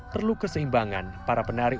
terlalu keseimbangan para penari